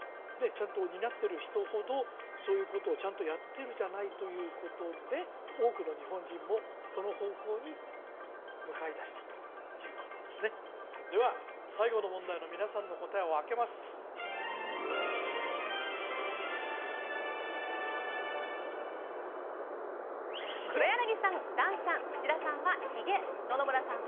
ちゃんと担ってる人ほどそういうことをちゃんとやってるじゃないということで多くの日本人もその方向に向かいだしたということですねでは最後の問題の皆さんの答えをあけますさあ